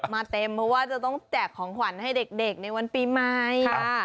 มาเต็มเพราะว่าจะต้องแจกของขวัญให้เด็กในวันปีใหม่